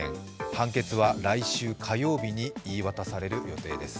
判決は来週火曜日に言い渡される予定です。